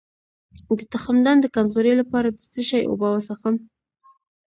د تخمدان د کمزوری لپاره د څه شي اوبه وڅښم؟